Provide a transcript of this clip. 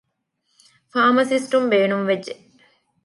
ފާމަސިސްޓުން ބޭނުންވެއްޖެ